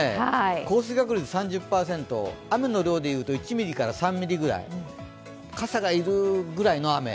降水確率３０％、雨の量で言うと１ミリから３ミリぐらい、傘が要るぐらいの雨。